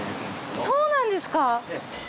そうなんですか！